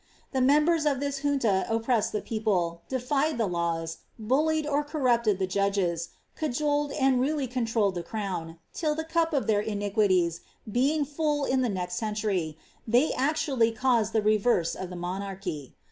The members of this junta oppressed the people, defied the laws, bullied or corrupted the judges, cajoled and really controlled the crown, till, the cup of their iniquities becoming full in the next century, they actually caused the reverse of the monarchy.